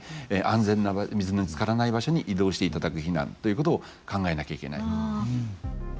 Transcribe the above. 安全な水につからない場所に移動していただく避難ということを考えなきゃいけない。